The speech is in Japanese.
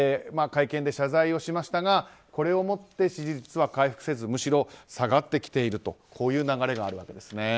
会見で謝罪をしましたがこれをもって支持率は回復せずむしろ下がってきているという流れがあるんです。